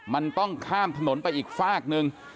มันต้องข้ามถนนไปอีกฝากหนึ่ง